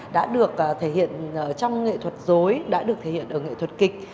đã được thể hiện trong nghệ thuật dối đã được thể hiện ở nghệ thuật kịch